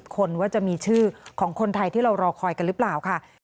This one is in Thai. คนว่าจะมีชื่อของคนไทยที่เรารอคอยกันหรือเปล่าค่ะ